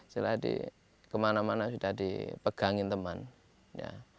sudah di kemana mana sudah dipegangin teman ya